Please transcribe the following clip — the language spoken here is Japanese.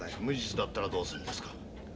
無実だったらどうするんですか？